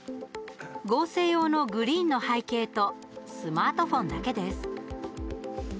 合成用のグリーンの背景とスマートフォンだけです。